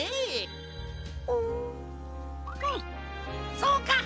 そうか！